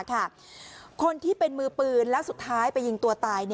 คนที่เป็นมือปืนแล้วสุดท้ายไปยิงตัวตาย